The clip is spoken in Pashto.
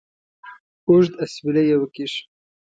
اوږد اسویلی یې وکېښ.